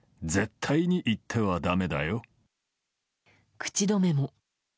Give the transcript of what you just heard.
口止めも。